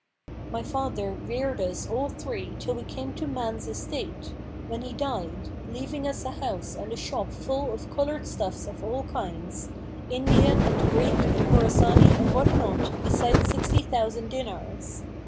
My father reared us all three till we came to man's estate, when he died, leaving us a house and a shop full of coloured stuffs of all kinds, Indian and Greek and Khorбsбni and what not, besides sixty thousand dinars.